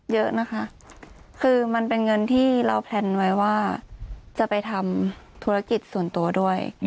เยอะนะคะคือมันเป็นเงินที่เราแพลนไว้ว่าจะไปทำธุรกิจส่วนตัวด้วย